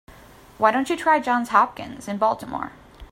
Why don't you try Johns Hopkins in Baltimore?